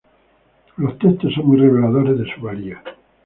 Los textos son muy reveladores de su valía.